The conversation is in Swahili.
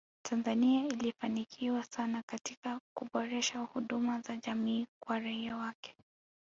Tanzania ilifanikiwa sana katika kuboresha huduma za jamii kwa raia wake